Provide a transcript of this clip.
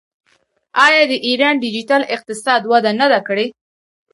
آیا د ایران ډیجیټل اقتصاد وده نه ده کړې؟